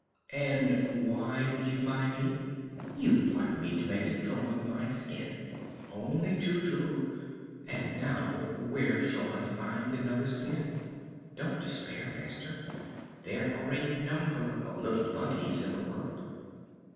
"And why did you buy me? You bought me to make a drum of my skin!" "Only too true! And now, where shall I find another skin?" "Don't despair, master. There are such a number of little donkeys in the world!"